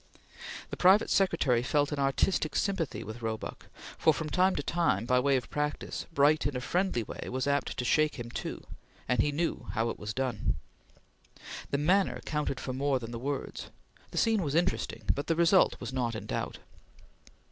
The private secretary felt an artistic sympathy with Roebuck, for, from time to time, by way of practice, Bright in a friendly way was apt to shake him too, and he knew how it was done. The manner counted for more than the words. The scene was interesting, but the result was not in doubt.